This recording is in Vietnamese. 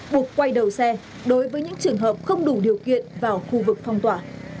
buộc quay đầu xe đối với những trường hợp không đủ điều kiện vào khu vực phong tỏa